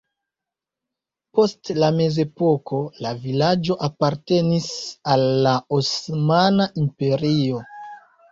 Post la mezepoko la vilaĝo apartenis al la Osmana Imperio.